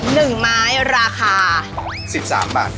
หนึ่งไม้ราคาสิบสามบาท